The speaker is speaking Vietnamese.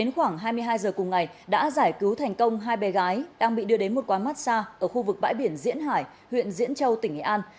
hôm nay đã giải cứu thành công hai bè gái đang bị đưa đến một quán massage ở khu vực bãi biển diễn hải huyện diễn châu tỉnh nghệ an